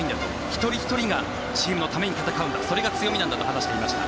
一人ひとりがチームのために戦うんだそれが強みなんだと話していました。